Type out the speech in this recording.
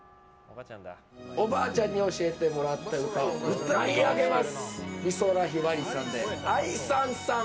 おばあちゃんに教えてもらった歌を歌い上げます。